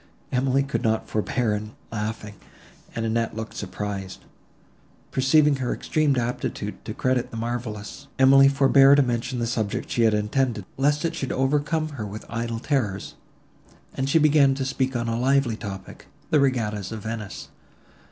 —Emily could not forbear laughing, and Annette looked surprised. Perceiving her extreme aptitude to credit the marvellous, Emily forbore to mention the subject she had intended, lest it should overcome her with idle terrors, and she began to speak on a lively topic—the regattas of Venice.